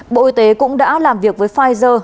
bộ y tế cũng đã làm việc với pfizer